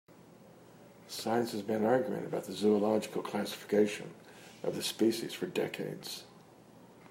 Science has been arguing about the zoological classification of the species for decades.